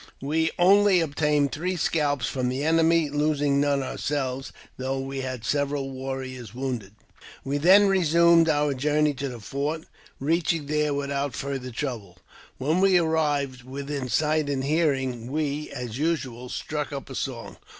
We only obtained three scalps from the enemy, losing none ourselves, though we had several warriors wounded. We then resumed our journey to the fort, reaching there without farther trouble. When we arrived within sight and hearing, we, as usual, struck up a song.